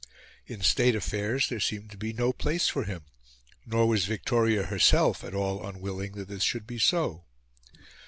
In State affairs there seemed to be no place for him; nor was Victoria herself at all unwilling that this should be so.